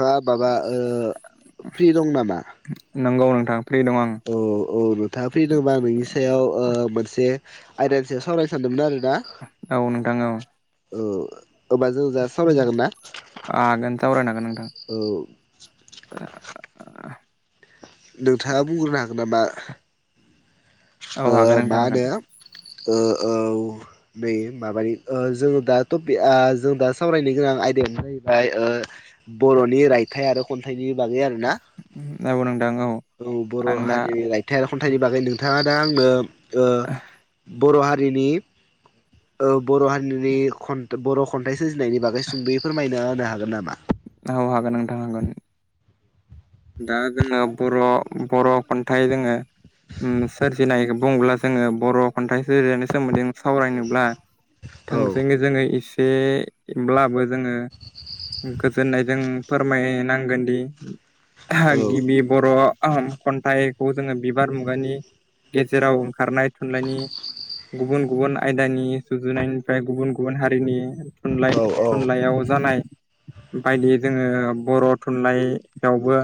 हा माबा फ्रि दं नामा? नंगौ नोंथां। फ्रि दं आं औ औ नोंथाङा फैदोंबा नोंनिस सायाव ओ मोनसे आयदानि सायाव सावरायनो सानदोंमोन आरो औ नोथां औ औ होबा जों दा सावराय जागोन ना हागोन सावरायनो हागोन नोंथां औ नोंथाङा बुंग्रोनो हागोन नामा औ ओ हागोन नोंथां मा हागोन होनो ओ औ नै माबानि जोङो दा टपि ओ जों दा सावरायनो गोनां आयदायावानो जाहैबाय ओ बर'नि रायथाइ आरो खन्थाइनि बागै आरो औ नोथां औ औ बर' हारिनि रायथाइ आरो खन्थाइनि बागै नोंथाङा दा आंनो ओ बर' हारिनि ओ बर' हारिनि खन बर' खन्थाइ सोरजिनायनि बागै सुंदयै फोरमायना होनो हागोन नामा औ हागोन नोंथां हागोन दा जोङो बर' बर' खन्थाइ जोङो उम सोरजिनायखौ बुोब्ला जोङो बर' खन्थाइ सोरजिनायनि सोमोन्दै सावरायनोब्ला औ थोंजोंयै जोङो इस बे ब्लाबो जोङो गोजोननायजों फोरमायनांगोनदि थागिबि औ बर' उम खन्थाइखौ जोङो बिबार मुगानि गेजेराव ओंखारनाय थुनलाइनि गुबुन गुबुन आयदानि सुजुनायनिफ्राय गुबुन गुबुन हारिनि औ थुनलाय थुनलाइयाव जानाय बायदि जोङो बर' थुनलाइयावबो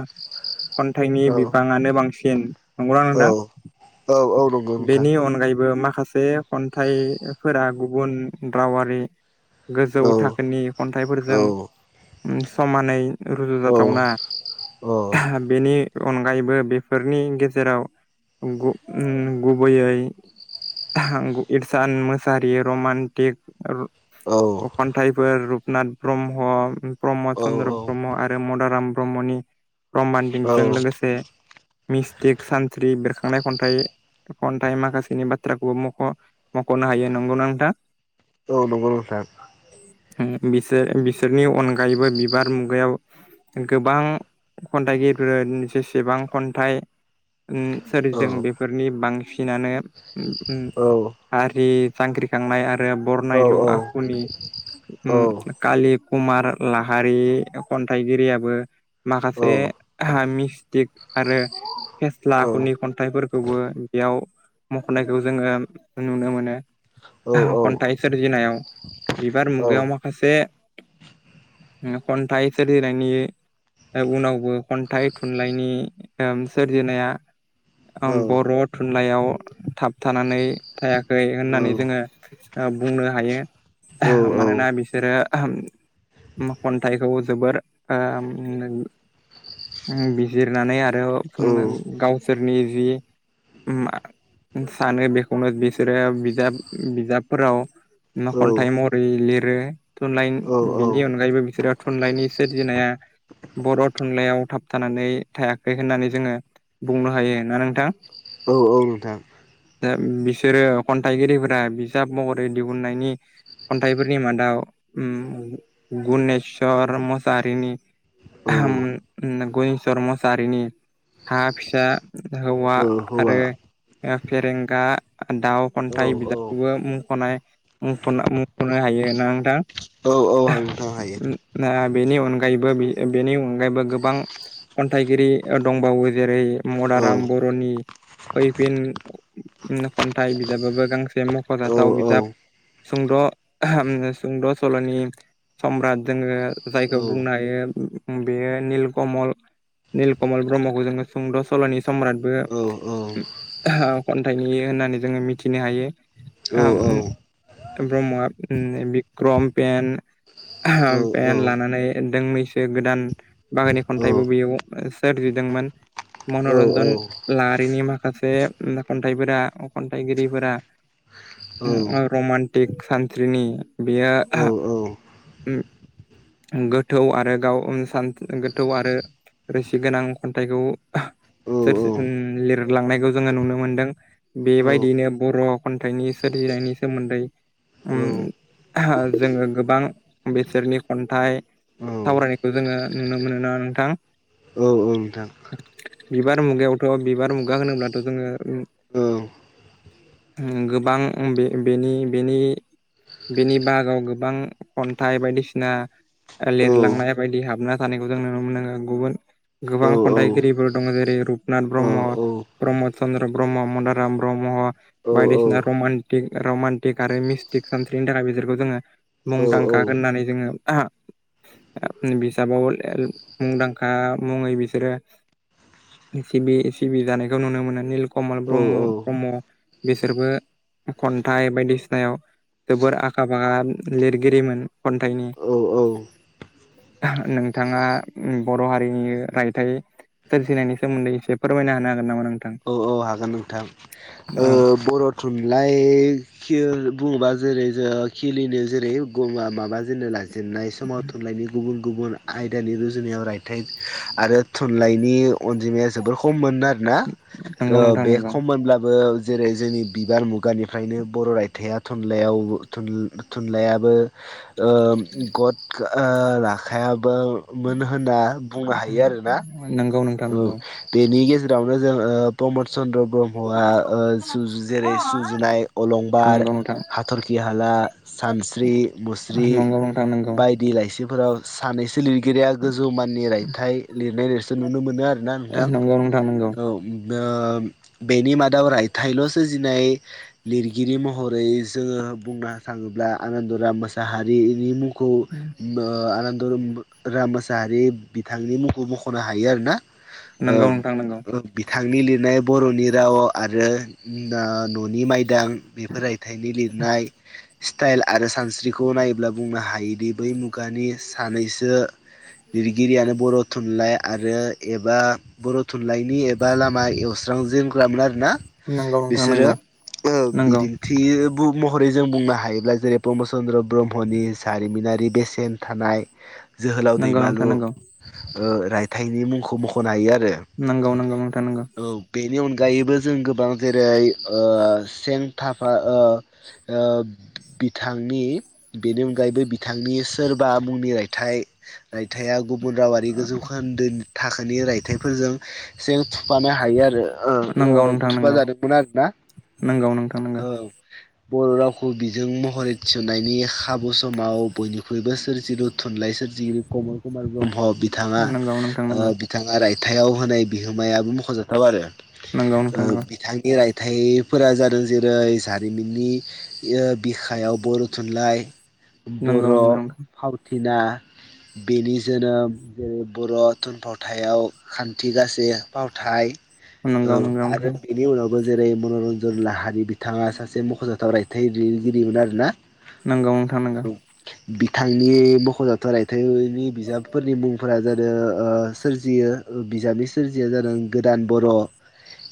खन्थाइनि औ बिबाङानो बांसिन नंगोना नोंथां औ औ औ नंगौ नोंथां बेनि अनगायैबो मा खासे खन्थाइफोरा गुबुन रावारि गोजौ औ थाखोनि खन्थाइफोरजों औ समानै रुजु औ जाथावना आह बेनि अनगायैबो बेफोरनि गेजेराव गु गुबैयै उम इरसान मोसाहारि रमान्टिक औ अखन्थाइफोर रुपनाथ ब्रह्म प्रमद औ चन्द्र ब्रह्म आरो मदाराम ब्रह्मनि औ रमान्टिकजों लोगोसे मिस्टिक सानस्रि बेरखा खांनाय खन्थाइ खन्थाइ माखासेनि बाथ्राखौबो मख' मख'नो हायो नंगौना नोंथां औ नंगौ नोंथां बिसोर बिसोरनि अनगायैबो बिबार मुगायाव गोबां खन्थाइगिरिफोर जेसेबां खन्थाइ उम औ सोरजिदों बेफोरनि बांसिनानो उम औ हारि जांख्रिखांनाय आरो औ बरनायलु आखुनि उम कालि कुमार लाहारि खन्थाइगिरियाबो माखासे मि तिक आरो फेस्ला औ आखुनि खन्थाइफोरखौबो बेयाव मख'नायखौ जोङो नुनो मोनो। औ औ खन्थाइ सोरजिनायाव बिबार औ मुगायाव माखासे खन्थाइ सोरजिनायनि उनावबो खन्थाइ थुनलाइनि ओम सोरजिनाया उम बर'थुनलाइयाव थाब थानानै थायाखै होननानै जोङो ओ बुंनो हायो। मानोना बिसोरो ओहोम खन्थाइखौ जोबोर ओ बिजिरनानै आरो रोव गावसोरनि जि उम मा सानो बेखौनो बिसोरो बिजाब बिजाबफोराव न'खन्थाइ महरै लिरो थुनलाइ बिनि अनगायैबो बिसोरो थुनलाइनि सोरजिनाया बर' थुनलाइयाव थाबथानानै थायाखै होननानै जोङो बुंनो हायो ना नोंथां। औ औ नोंथां। दा बिसोरो खन्थाइगिरिफोरा बिजाब महरै दिहुननायनि खन्थाइफोरनि मादाव ओ गुनेशर मसाहारिनि औ ओ होम गुनेस्वर मोसाहारिनि हा फिसा हौवा औ हौवा आरो ओ फेरेंगा दाउ खन्थाइ औ औ बिजाबखौबो मुंख'नाय मुख' मुंख'नाय थायो ना नोंथां औ औ नोंथां हायो ओ बेनि अनगायैबो बेनि अनगायैबो गोबां खन्थाइगिरि दंबावो। जेरै औ मदाराम बर'नि फैफिन खन्थाइ बिजाबाबो गांसे औ मख'जाथाव औ बिजाब सुंद' सुंद' सल'नि सम्राट जोङो जायखौ औ बुंनो हायो बेयो निल कमल निल कमल ब्रह्मखौ जोङो सुंद' सल'नि सम्रादबो औ औ खन्थाइनि होननानै जोङो मिथिनो हायो। औ बिक्रम पेन ओहो पेन लानानै दोंनैसो गोदान बाहागोनि औ खन्थाइबो बेयो सोरजिदोंमोन औ नोंथां औ मन'रन्जन लाहारिनि माखासे खन्थाइफोरा खन्थाइगिरिफोरा औ रमान्टिक सानस्रिनि बेयो औ औ उम गोथौ आरो गाव सान गोथौ आरो रोसि गोनां खन्थाइखौ औ औ सोर लिरलांनायखौ जोङो नुनो मोनदों बेबायदियैनो बर' खन्थाइनि सोरजि बिथांनि सोमोन्दै जोङो गोबां बिसोरनि खन्थाइ सावरायनायखौ जोङो नुनो मोनो ना नोंथां। औ बिबार मुगायावथ' बिबार मुगा होनोब्लाथ' जोङो औ उम गोबां बे बेनि बेनि बेनि बागाव गोबां खन्थाइ बायदिसिना औ औ लिरलांनाय बायदि हाबना थानायखौ जों नुनो मोनो गुबुन गोबां खन्थाइगिरिफोर दङ जेरै रुपनाथ ब्रह्म, प्रमद चन्द्र ब्रह्म, मदाराम ब्रह्म दङ बायदिसिना रमान्टिक रमान्टिक आरो मिसथिक सानस्रिनि थाखाय बेसोरखौ जोङो मुंदां होननानै जोङो आ [inaudible] बिजाबाव मुंदांखा मुङै बिसोरो सिबि सिबि जानायखौ नुनो मोनो निल कमल ब्रह्म ब्रह्म बिसोरबो खन्थाइ बायदिसिनायाव जोबोर आखा फाखा लिरगिरिमोन खन्थाइनि नोंथाङा बर' हारिनि रायथाइ सोरजिनायनि सोमोन्दै एसे फोरमायना होनो हागोन नामा नोंथां? औ हागोन नोंथां ओ औ बर' थुनलाइ खि बुङोबा जेरै ओ खिलिनो जेरै माबााजेननो लाजेननाय समाव थुनलाइनायनि गुबुन गुबुन आयदानि रुजुनायाव रायथाइ आरो थुनलाइनि अनजिमाया जोबोर खम मोन आरोना नंगौ ओ नोंथां बे नंगौ खम मोनब्ला बो जेरै जोंनि बिबार मुगानिफ्रायनो बर' रायथाइआ थुनलाइआव थुनलाइ थुनलाइया ओ गथ आ राखायाबो [unintelligible] बो मोन होनना बुंनो हायो आरोना? नंगौ नोंथां औ नंगौ बेनि गेजेरावनो जों प्रमद चन्द्र ब्रह्मआ ओ सुजु जेरै सुजुनाय अलंबार नंगौ नोंथां हाथरखि हाला सानस्रि मुस्रि नंगौ नोंथां नंगौ बायदि लाइसि फोराव सानैसो लिरगिरिया गोजौ माननि रायथाइ लिरनाय लिरसु नुनो मोनो आरोना नोंथां नंगौ नोंथां नंगौ औ ओ बेनि मादाव रायथाइल' सोरजिनाय लिरगिरि महरै जोङो बुंनो थाङोब्ला आनन्दराम मोसाहारिनि मुं खौ आनन्द राम मोसाहारि बिथांनि मुंखौ मख'नो हायो आरो ना ओ नंगौ नोंथां नंगौ बि थांनि लिरनाय बर'नि राव आरो ओ न' नि माइदां बेफोर रायथाइनि लिरनाय स्टाइल आरो सानस्रिखौ नायोब्ला बुंनो हायोदि बै मुगानि सानैसो लिरगिरियानो बर' थुनलाइ आरो एबा बर' थुनलाइनि एबा लामा एवस्रांजेनग्रामो ना नंगौ नोंथां बिसोरो नंगौ नंगौ बिदिन्थि महरै जों बुंनो हायोब्ला जेरै पमद चन्द्र ब्रह्मनि जारिमिनारि बेसेन थानाय जोहोलाव नंगौ नोंथां दैमालु नंगौ ओ रायथाइनि मुंखौ मख'नो हायो आरो नंगौ नंगौ नोंथां नंगौ औ बेनि अन गायैबो जों गोबां जेरै ओ सें थाफा ओ ओ बिथांनि बेनि अनगायैबो बिथांनि सोरबा मुंनि रायथाइ रायथाइया गुबुन रावारि गोजौ होनन्दोंनि थाखोनि रायथाइफोरजों सें थुफानो हायो आरो औ नंगौ नोंथां थुफा नंगौ जादोंमोन आरो ना नंगौ नोंथां ओं बर' रावखौ बिजों महरै थिसननायनि खाबु समाव बयनिख्रुइबो सोरजिलु थुनलाइ सोरजि कमल कुमार ब्रह्म नंगौ बिथाङा नोंथां ओ नंगौ बिथाङा रायथायाइाव होनाय बिहोमायाबो मख'जाथाव आरो नंगौ नोंथां ओ नंगौ बिथांनि राय थाइफोरा जादों जेरै जारिमिननि बिखायाव बर' थुनलाइ बर' नंगौ नंगौ फावथिना बेनि जोनोम जेरै बर' थुनफावथायाव खान्थि गाासे फावथाय औ नोंथां नंगौ नोंथां आरो बिनि उनाव बो जेरै मन'रन्जन लाहारि बिथाङा सासे मख'जाथाव रायथाइ लिरगिरिमोन आरोना नंगौ नोंथाङां नांगौ औ बिथांनि मख'जाथाव रायथाइनि बिजाबफोरनि मुंफोरा जादों आरो सोरजियो बिजाबनि सोरजिया जादों गोदान बर'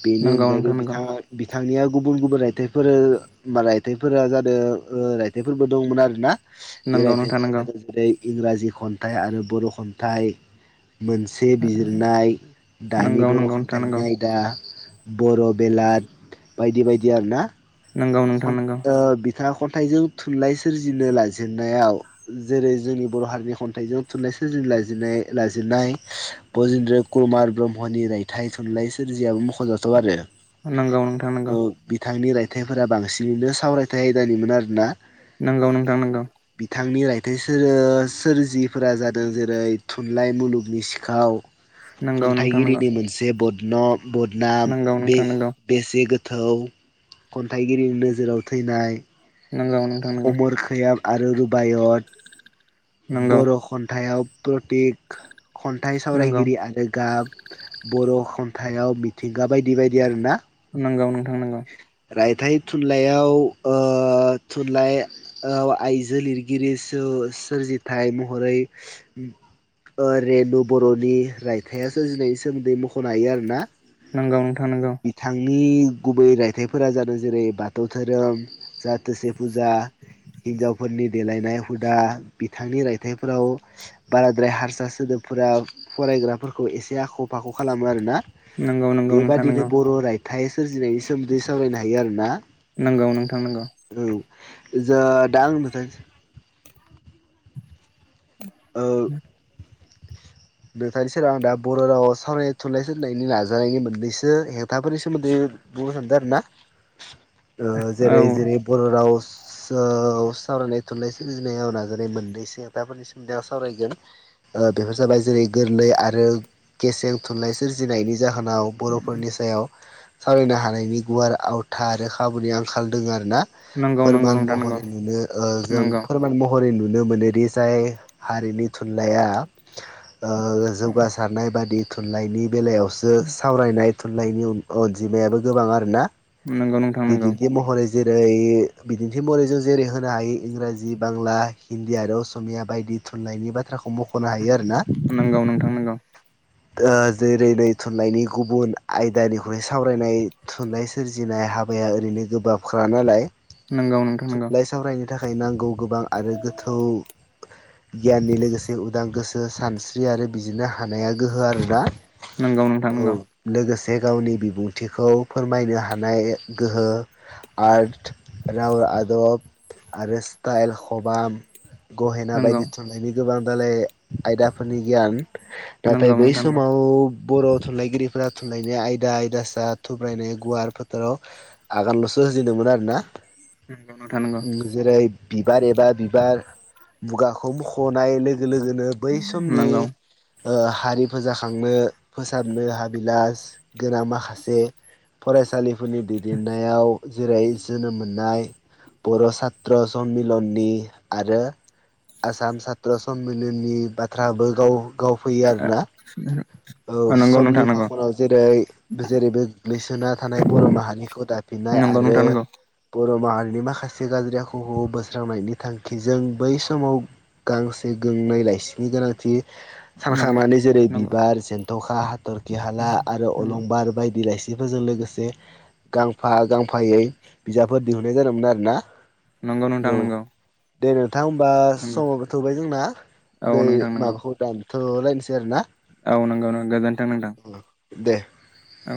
बेनि नंगौ अनगायै नोंथां नंगौ बिथांआ थां निया गुबुन गुबुन रायथाइ फोरो बा रायथाय फोरा ओ रायथाइ फोरबो दं मोन आरो ना नंगौ नोंथां बेरायथाइफोरा नंगौ जादों जेरै इंराजि खन्थाइ आरो बर' खन्थाइ मोनसे बिजिरनाय नंगौ नोंथां नंगौ बर' बेलाद बायदि बायदि आरो ना नोंगौ नोंथां ओ नोंगौ बिथांआ खन्थाइजों थुनलाइ सोरजिनो लाजेनन्नायाव जेरै जोंनि बर' हारिनि खन्थाइजों थुनलाइ सोरजिनो लाजिनाय बजेन्द्र कुमार ब्रह्मनि रायथाइ थुनलाइ सोरजियाबो मख'जानाय जाथाव नंगौ नोंथां नगौ बिथांनि रायथाइफोरा बांसिनैनो नंगौ नोंथां नंगौ बेसोरो सोरजिफोरा जादों जेरै थुनलाइ मुलुगनि सिखाव नोंथां खन्थाइगिरिनि मोनसे बदना बदनाम नोंगौ नोंगौ नोंथां नोंगौ बे-बेसे गो गोथौ खन्थाइगिरिनि नोजोराव थैनाय नंजौ नोंथां नंगौ अमर खैयाम आरो रुबायत नोंगौ बर' खन्थायाव प्रयतेक खन्थाइ नोंगौ सावरायगिरि आरो गाब बर' खन्थाइाव मिथिंगा बायदि बायदि आरोना नंगौ नोंथां नंगौ रायथाइ थुनलाइयाव ओ थुनलाइ ओ आइजो लिरगिरि सु सोरजिथाय महरै ओ रेनु बर'नि रायथाइआ सोरजिनायनि सोमोन्दै मख'नो हायो आरो ना नंगौ नोंथां नंगौ नि गुबै रायथाइफोरा जादों जेरै बाथौ धोरोम जाथोसे फुजा हिनजावफोरनि देलायनाय हुदा बिथांनि रायथाइफोराव बाराद्राय हारसा सोदोब फोरा फरायग्राफोरखौ एसे आख' फाख' खालामो आरोना नोंगौ नोंथां बेबादिनो बर' रायथाइ सोरजिनायनि सावरायनो हायो आरोना नोंगौ नोंगौ नोंथां नोंगौ जा दा आं नोंथां औ नोंथानि सेराव आं दा बर' रावाव सावरायनाय थुनलाइ सोरायनायनि नाजानायनि मोननैसो हेंथाफोरनि सोमोन्दै बुंनो सानदों आरोना [inaudible] ओ जेरै जेरै बर' राव सावरायनाय थुनलाइ सोरजिनायाव नाजानाय मोननैसो खोथाफोरनि सोमोन्दै आं सावरायगोन ओ बेफोर जाबाय जेरै गोरलै आरो गेसें थुनलाइ सोरजिनायनि जाहोनाव बर'फोरनि सायाव सावरायनो हानायनि गुवार आवथा आरो खाबुनि आंखाल दङ आरो ना नोंगौ नोंगौ फोरमान नोंथां नोंगौ महरै नुनो ओ जों फोरमान महरै नुनो नुनो मोनोदि जाय हारिनि थुनलाइया ओ जौगासारनाय बादि थुनलाइनि बेलायावसो सावरायनाय थुनलाइनि अनजिमायाबो गोबां आरो ना नोंगौ नोंथां नोंगौ जेरै बिदिन्थि मरै जों जेरै होनो हायो इंराजि बांला हिन्दी आरो असमिया बायदि थुनलाइनि बाथ्राखौ मख'नो हायो आरोना नंगौ नोंथां नंगौ जेरै नै थुनलाइनि गुबुन आयदानिख्रुइ सावरायनाय थुनलाइ सोरजिनाय हाबाया ओरैनो गोबाब खा नालाय नंगौ नोंथां नोंगौ थुनलाइ सावरायनो थाखाय नांगौ गोबां आरो गोथौ गियाननि लोगोसे उदां गोसो सानस्रि स्रि आरो बिदिनो हानाया गोहो आरोना नोंगौ नोंगौ नोंथां औ नोंगौ लोगोसे जे गावनि बिबुंथिखौ फोरमायनो हानाय गोहो आर्ट राव आदब आरो स्टाइल खबाम गहेना बायदि थुनलाइनि गोबां दालाय आयदाफोरनि गियान नाथाय नोंगौ बै नोंथां नोंगौ समाव बर' थुनलाइगिरिफोरा थुनलाइनि आयदा आयदासा थुब्रायनाय गुवार फोथाराव आगानल'सो होजेनदोंमोन आरोना नोंगौ नोंगौ उम जेरै बिबार एबा बिबार मुगाखौ मख'नाय लोगो लोगोनो बै समनि नंगौ ओ हारि फोजाखांनो फोसाबनो हाबिलास गोनां माखासे फरायसालिफोरनि दैदेननायाव जेरै जोनोम मोननाय बर' सात्र समिलननि आरो आसाम सात्र सनमिलननि बाथ्राबो गाव गावफैयो आरोना औ नोंगौ समनि नोंथां नोंगौ फाखनाव जेरै जेरै बे गोग्लैसोना थानाय बर' माहारिखौ दा फिनाय नोंगौ नोंगौ नोंथां नोंगौ आरो नोंथां नोंगौ नोंगौ बर माहारिनि माखासे गाज्रि आखुखौ बोस्रांनायनि थांखिजों बै समाव गांसे गोंनै लाइसि नि गोनांथि सानखांमनानै जेरै बिबार जेन्थ'खा हाथर खि हाला आरो अलंबार बायदि लाइसिफोरजों लोगोसे गां फा गांफायै बिजाबफोर दिहुननाय जादोंमोन आरो ना। नंगौ नोंथां नंगौ। दे नोंथां होमबा समावबो थौबाय जोंना औ दै नोंथां नंगौ माबाखौ दानथ'लायनोसै आरोना औ नंगौ न गोजोनथों नोंथां दे। औ।